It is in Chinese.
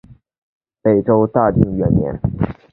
北周大定元年。